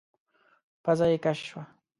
پزه يې کش شوه.